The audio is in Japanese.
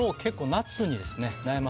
夏に？